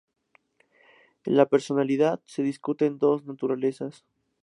En la personalidad, se discuten dos naturalezas.